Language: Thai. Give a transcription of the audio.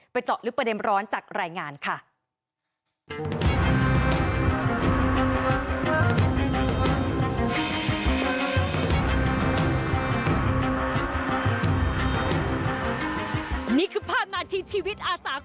เจาะลึกประเด็นร้อนจากรายงานค่ะ